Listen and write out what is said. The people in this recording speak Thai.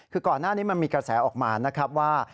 คือก่อนหน้านี้มันมีกระแสออกมานะครับว่า